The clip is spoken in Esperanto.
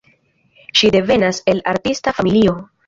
Ŝi devenas el artista familio.